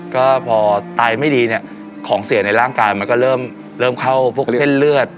ก็พอตายไม่ดีเนี่ยของเสียในร่างกายมันก็เริ่มเข้าพวกเส้นเลือด